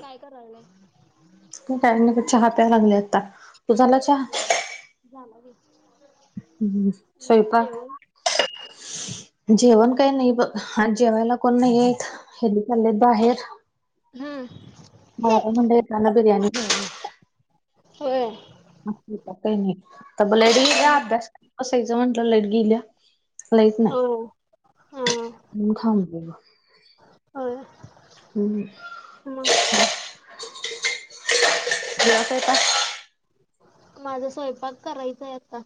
काय करा लाईस. काय नाही चहा प्या लागले आता. तू झाला चहा [unintelligible] हम्, स्वयंपाक. [inaudible] जेवण काही नाही बघ आज जेवायला कोण नाही आहेत हेनी चाललेत बाहेर. हम. मला काय म्हंणले येताना बिर्याणी [unintelligible] होय. [unintelligible] काही नाही, तब लाईट गेल्या अभ्यास [unintelligible] म्हंटलं लाईट गेल्या. लाईट होय नाही हा [unintelligible] होय. मग हम् [unintelligible] माझा स्वयंपाक करायचाय आता,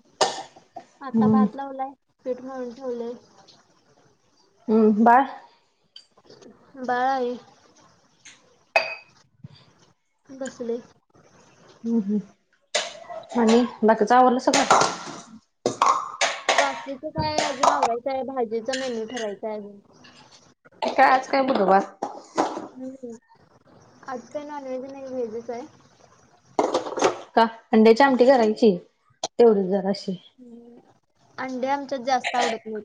आता हम्म भात लावलाय. पीठ मळून ठेवलंय. हम्म, बाळ. बाळ आहे. बसलय. हम् आणि बाकीच आवरलं सगळं? बाकीचं काय अजून आवरायचंय भाजीचा मेन्यू ठरायचाय अजून का आज काय बुधवार हम्. आज काय नॉनव्हेज नाही व्हेजच आहे. का? अंड्याची आमटी करायची तेवढीच जराशी अंडे आमच्यात जास्त आवडत नाहीत.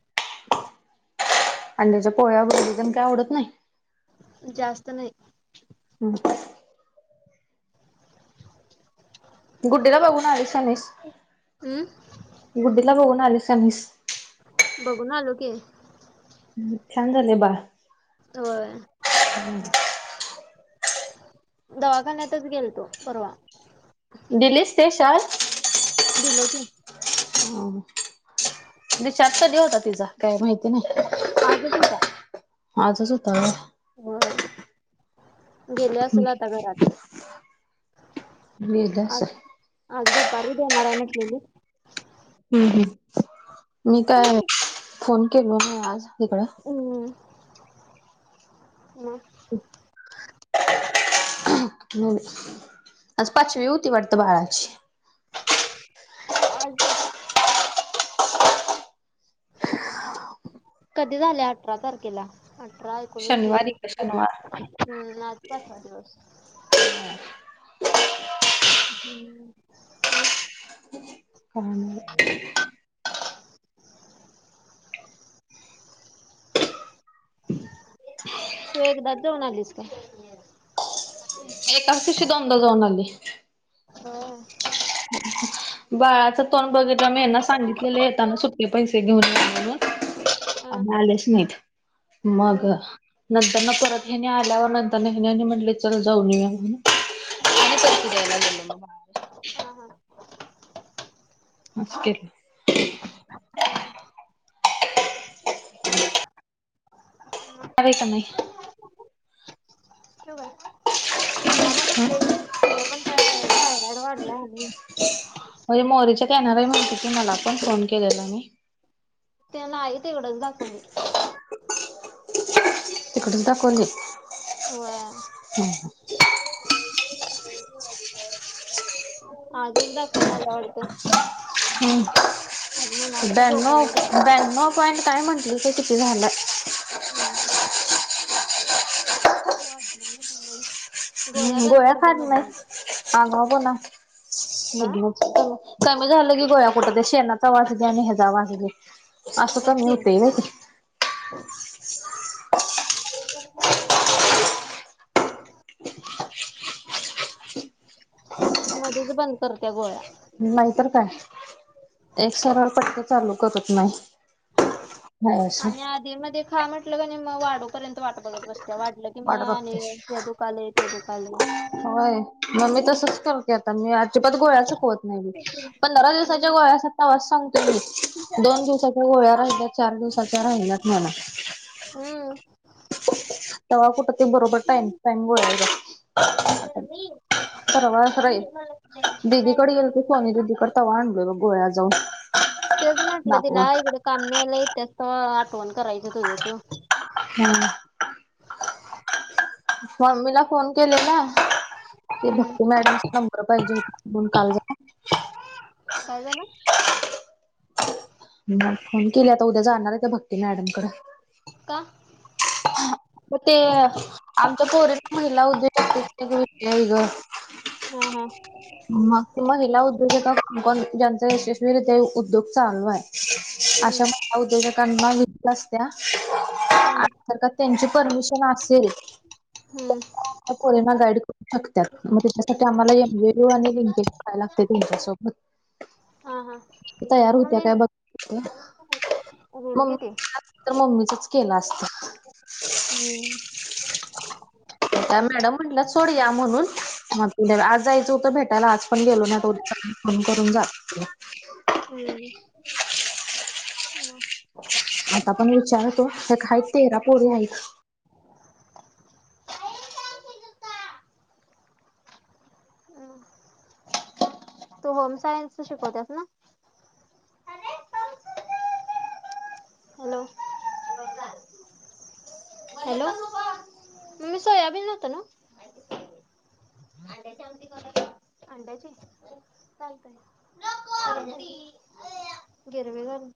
अंड्याच्या पोळ्या, भुर्जी तेन काय आवडत नाही? जास्त नाही हम्. गुड्डीला बघून आलीस काय नाईस? हम्म गुड्डीला बघून आलीस काय नाईस? बगून आलो की. हम. छान झालंय बाळ. व्हय. हम दावाखन्यातच गेलंतो परवा. दिलीस ते शाल? दिलो की हम हम. डिस्चार्ज कधी होता तिचा? काय माहिती नाही. आजच होता आजच हूता वय? व्हय. गेली आसल आता घरात. गेलं आज असल. आज दुपारी देनार हाय म्हटलेली. हम हम. मी काय, फोन केलो नाही आज तिकड हम, मग? [unintelligible] आज पाचवी होती वाटत बाळाची आज? कधी झाल्या आठरा तारखेला? आठरा, एकोणीस, वीस, शनिवारी का एकवीस, शनिवार बावीस हम. आज पाचवा दिवस. हम्. म? काय नाई. [inaudible] तु एकदाच जाऊन आलीस काय? मी एकाच दिवशी दोन दा जाऊन आलोय. होय? बाळाच तोंड बगितल्यावर मी यांना सांगितलेले येताना सुटे पैसे घेऊन या म्हणून हा. आणि आलेच नहित. मग नंतरन परत हेनी आल्यावर नंतरन हेनी आणि म्हटले चल जाऊन येऊया म्हणून हम. [unintelligible] मग बाळाला. हा आस केल [inaudible] [unintelligible] र ये काय नाही? ठेवू काय? येणार हाय म्हटलेली तिजा पण काय थायरॉइड वाढलाय आणि होय मोरेच्यात येणार हाय म्हणली ती मला पण, फोन केलेला मी ते नाही तिकडचं दाकवली. तिकडच दाखवली होय हा हा. आजच दाखवून आलीया वाडतं. हम्म आज म्हणालती डोक ब्याण्णव लई [unintelligible] ब्याण्णव पॉईंट काय म्हटली ते किती झालं. हम् वाढलाय वाटत लई? हम्म गोळ्या खात नाही आगावपणा हा मधनच. कमी झालं की गोळ्या कुठं ते शेनाचा वास येतोय आणि हेचा वास येतो आसं बघ कमी की होतय व्हय ते? [inaudible] [unintelligible] मध्येच बंद करत्या गोळ्या. नाहीतर काय एक सरळ पटक्यात चालू करत नाही. नाही असं आणि आधे मध्ये खा म्हटलं कनी मग वाढूपर्यंत वाट बघत बसत्या वा ढलं की म वाट आणि बघतेस हे दुकालय, ते दुखालय. होय मग मी तसच करते आता मी अजिबात गोळ्याच चुकवत नाही मी पंधरा दिवसाच्या हम्म. गोळ्या आस तवाच सांगतोय मी दोन दिवसाच्या गोळ्या राहिल्यात, चार दिवसाच्या राहिल्यात म्हणून. हम्म तव्हा कुठ ते बरोबर टाइम टाइम [unintelligible] परवा राई दिदीकडे गेलतो सोनी दीदीकड. तव्हा आणलोय ब गोळ्या जाऊन तेच म्हटलं तिला दाखवून इकडं काम न्हायला येतीयास तव्हा आठवण करायचं तुझ्या तू. हम्म. [inaudible] मम्मीला फोन केलेला ते हम्म भक्ती मॅडम नंबर पाहिजे हो म्हणून काल जरा काय झालं? [unintelligible] फोन केली आता उद्या जाणार आहे त्या भक्ती मॅडमकड. का? म ते आमच्या पोरीत महिला उद्योजकतेच विषय गं. हा हा. मग ते महिला उद्योगजका कोण कोण ज्याचा यशस्वीरित्या उद्योग चालू आहे हम्म आशा महिला उद्योजकांना वि [unintelligible] हम्म आसत्या त्यांची परमिशन आसेल हम्म [unintelligible] पोरींना गाईड करू शकतात मग त्याच्यासाठी आम्हाला एन. जी. ओ आणि लिंकिंग कराय लागतय त्याच्यासोब हा हा तयार मग होत्या मी काय बघतो [unintelligible] किती? तर मम्मीचच केलं आसतं. हम्म. त्या मॅडम म्हलात सोड या म्हणून मग [unintelligible] आज जायचं हो त भेटायला आज पण गेलो नाही आता उद्या जाताना फोन करून जातो. हम्म. आता पण विचारतो एक हाईत तेरा हम्म. पोरी हाईत. तू होम सायन्सचं शिकवत्यास ना? हॅलो हॅलो मम्मी सोयाबीन होत नव्हं? अंड्याची चालतय. गिरवी कर [inaudible]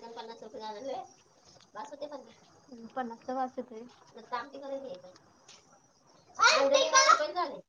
कल पन्नास रुपये झालं व्हय? [inaudible] हम्म पन्नाच बास होतय व्हय? [inaudible] [unintelligible] झाले [inaudible]